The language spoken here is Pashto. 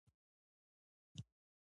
احمد د سارا او علي له منځه پښه وکښه.